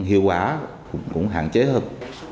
hiệu quả cũng hạn chế hơn